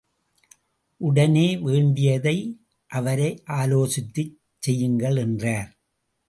உடனே வேண்டியதை அவரை ஆலோசித்துச் செய்யுங்கள், என்றார்.